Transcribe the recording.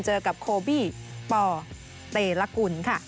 เจอกับโคบี้ปเตรกุลค่ะ